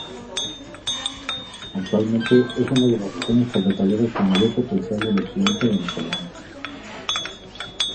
Actualmente, es una de las regiones cafetaleras con mayor potencial del occidente venezolano.